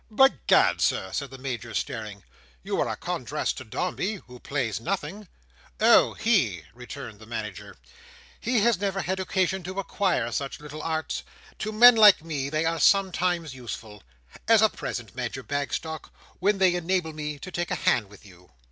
"By Gad, Sir!" said the Major, staring, "you are a contrast to Dombey, who plays nothing." "Oh! He!" returned the Manager. "He has never had occasion to acquire such little arts. To men like me, they are sometimes useful. As at present, Major Bagstock, when they enable me to take a hand with you."